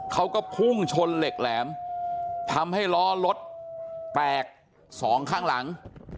เขาก็พุ่งชนเหล็กแหลมทำให้ล้อรถแตกสองข้างหลัง